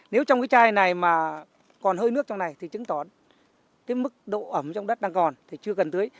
nếu trong cái chai này mà còn hơi nước trong này thì chứng tỏ cái mức độ ẩm trong đất đang còn thì chưa cần tưới